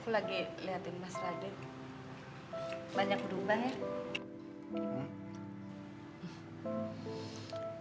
lagi lihatin mas radit banyak berubah ya